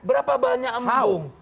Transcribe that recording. berapa banyak embung